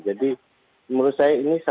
jadi menurut saya ini adalah